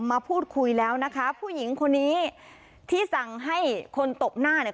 มาพูดคุยแล้วนะคะผู้หญิงคนนี้ที่สั่งให้คนตบหน้าเนี่ย